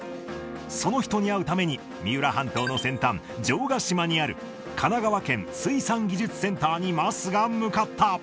その人に会うために、三浦半島の先端、城ヶ島にある、神奈川県水産技術センターに桝が向かった。